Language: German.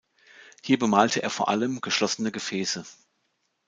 Hier bemalte er vor allem geschlossene Gefäße.